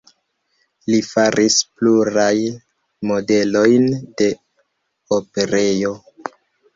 Li faris pluraj modelojn de operejo.